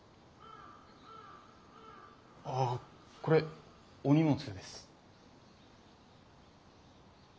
ああこれお荷物です。